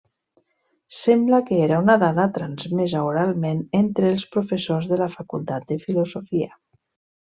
Sembla que era una dada transmesa oralment entre els professors de la facultat de Filosofia.